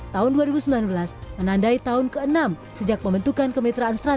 tahun dua ribu sembilan belas menandai tahun ke enam sejak pembentukan kemitraan strategis